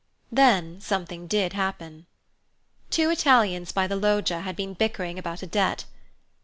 Then something did happen. Two Italians by the Loggia had been bickering about a debt.